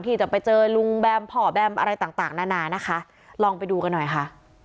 ที่จะไปเจอลุงแบมพ่อแบมอะไรต่างต่างนานานะคะลองไปดูกันหน่อยค่ะ